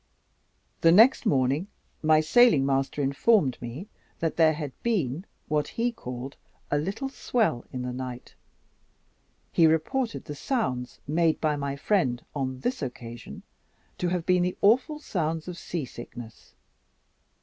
The next morning, my sailing master informed me that there had been what he called 'a little swell in the night.' He reported the sounds made by my friend on this occasion to have been the awful sounds of seasickness.